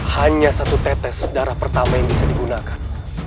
hanya satu tetes darah pertama yang bisa digunakan